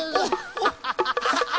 ハハハハ。